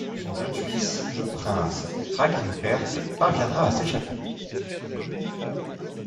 Son jeune fils, le prince Raghinpert, parviendra à s'échapper.